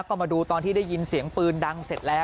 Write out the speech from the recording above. ก็มาดูตอนที่ได้ยินเสียงปืนดังเสร็จแล้ว